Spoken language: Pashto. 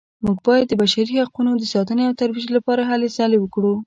موږ باید د بشري حقونو د ساتنې او ترویج لپاره هلې ځلې وکړو